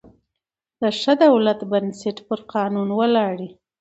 د ښه دولت بنسټ پر قانون ولاړ يي.